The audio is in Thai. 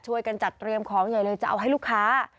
ช่วยกันจัดเตรียมของใหญ่เลยจะเอาให้ลูกค้า